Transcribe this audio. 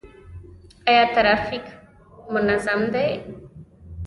آیا ټرافیک منظم دی؟